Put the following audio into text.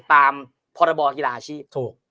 ตามพรบกีฬาอาชีพ